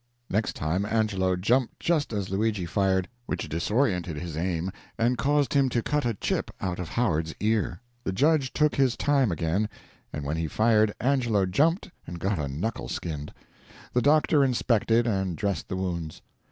Next time Angelo jumped just as Luigi fired, which disordered his aim and caused him to cut a chip off of Howard's ear. The judge took his time again, and when he fired Angelo jumped and got a knuckle skinned. The doctor inspected and dressed the wounds.